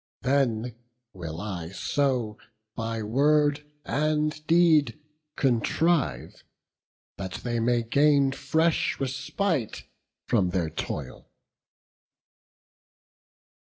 Then will I so by word and deed contrive That they may gain fresh respite from their toil."